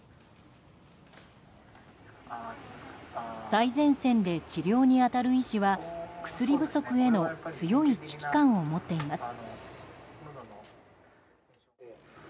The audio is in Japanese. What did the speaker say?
最前線で治療に当たる医師は薬不足への強い危機感を持っています。